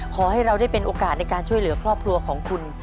ขอให้เราได้เป็นโอกาสในการช่วยเหลือครอบครัวของคุณ